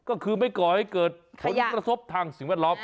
ก็คือไม่ก่อให้เกิดผลกระทบทางสิ่งแวดล้อม